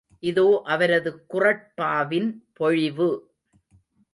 இதோ அவரது குறட்பாவின் பொழிவு!